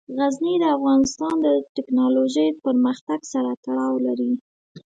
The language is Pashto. غزني د افغانستان د تکنالوژۍ پرمختګ سره تړاو لري.